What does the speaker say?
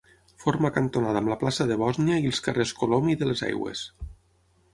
Forma cantonada amb la plaça de Bòsnia i els carrers Colom i de les Aigües.